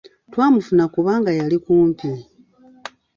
Twamufuna kubanga yali kumpi.